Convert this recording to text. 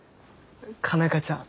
佳奈花ちゃん